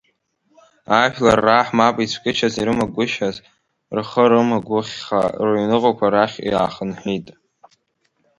Ажәлар раҳ мап ицәкышьас ирымагәышьааз, рхы рымагәыхьха, рыҩныҟақәа рахь иаахынҳәит.